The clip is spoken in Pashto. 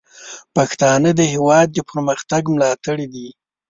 پښتانه د هیواد د پرمختګ ملاتړي دي.